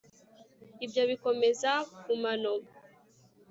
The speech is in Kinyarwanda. ibyo bikomeza kumano